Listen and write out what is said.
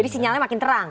jadi sinyalnya makin terang